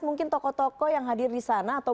mungkin tokoh tokoh yang hadir di sana atau